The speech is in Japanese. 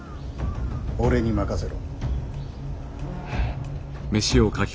俺に任せろ。